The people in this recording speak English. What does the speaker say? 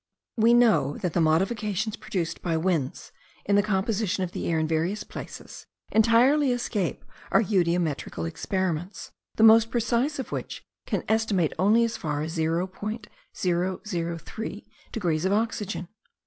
We know that the modifications produced by winds in the composition of the air in various places, entirely escape our eudiometrical experiments, the most precise of which can estimate only as far as .0003 degrees of oxygen.